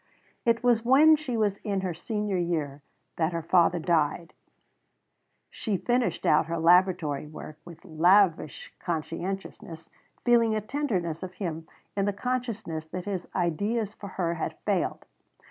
It was when she was in her senior year that her father died. She finished out her laboratory work with lavish conscientiousness, feeling a new tenderness of him in the consciousness that his ideas for her had failed.